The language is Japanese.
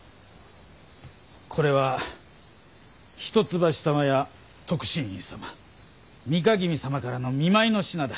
これは一橋様や徳信院様美賀君様からの見舞いの品だ。